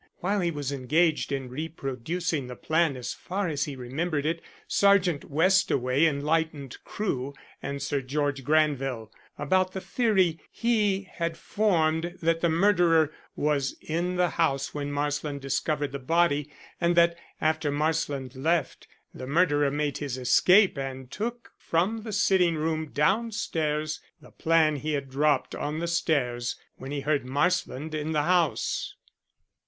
While he was engaged in reproducing the plan as far as he remembered it, Sergeant Westaway enlightened Crewe and Sir George Granville about the theory he had formed that the murderer was in the house when Marsland discovered the body, and that, after Marsland left, the murderer made his escape and took from the sitting room downstairs the plan he had dropped on the stairs when he heard Marsland in the house.